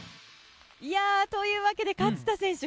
というわけで勝田選手